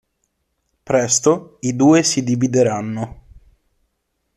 Presto, i due si divideranno.